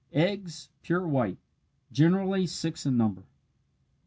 Eggs pure white, generally six in number.